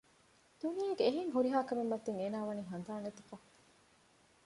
ދުނިޔޭގެ އެހެން ހުރިހާކަމެއް މަތިން އޭނާ ވަނީ ހަނދާން ނެތިފަ